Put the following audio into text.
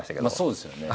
そうですよね。